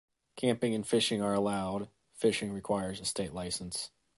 Camping and fishing are allowed; fishing requires a state license.